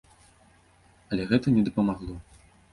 Але гэта не дапамагло.